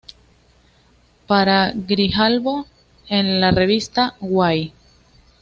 Para "Grijalbo", en la revista"Guai!